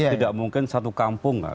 tidak mungkin satu kampung